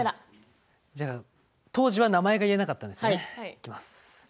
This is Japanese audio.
当時は名前が言えなかったんですよね。